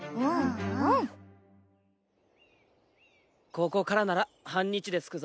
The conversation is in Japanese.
ここからなら半日で着くぞ。